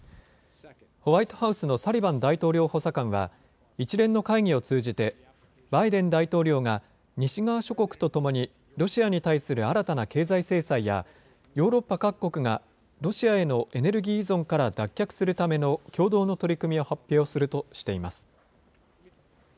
ホワイトハウスのサリバン大統領補佐官は、一連の会議を通じて、バイデン大統領が、西側諸国と共に、ロシアに対する新たな経済制裁やヨーロッパ各国がロシアへのエネルギー依存から脱却するための共同の取り組みを発表するとしています。